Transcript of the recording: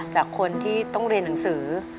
จากคนที่ต้องเรียนหนังสือ